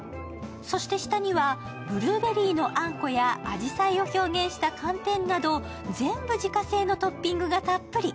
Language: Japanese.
そして、下にはブルーベリーのあんこや紫陽花を表現した寒天など全部自家製のトッピングがたっぷり。